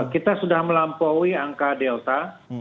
kita sudah melampaui angka delta